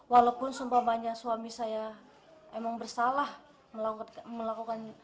walaupun sumpah banyak suami saya memang bersalah melakukan